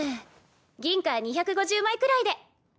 銀貨２５０枚くらいで。